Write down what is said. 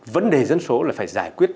vấn đề dân số là phải giải quyết